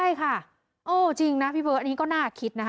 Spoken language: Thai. เออจริงนะพี่เบิ้ลอันนี้ก็น่าคิดนะคะ